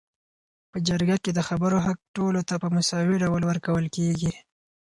په جرګه کي د خبرو حق ټولو ته په مساوي ډول ورکول کيږي